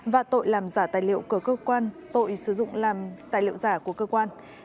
và tội làm giả tài liệu của cơ quan tội sử dụng làm tài liệu giả của cơ quan